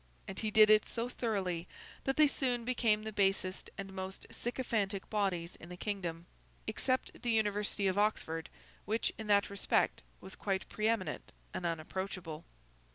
And he did it so thoroughly, that they soon became the basest and most sycophantic bodies in the kingdom—except the University of Oxford, which, in that respect, was quite pre eminent and unapproachable.